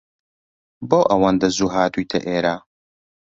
بۆ ئەوەندە زوو هاتوویتە ئێرە؟